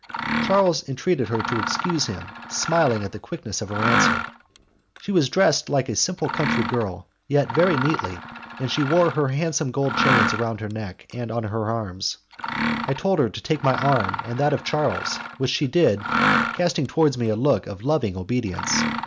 Charles entreated her to excuse him, smiling at the quickness of her answer. She was dressed like a simple country girl, yet very neatly, and she wore her handsome gold chains round her neck and on her arms. I told her to take my arm and that of Charles, which she did, casting towards me a look of loving obedience.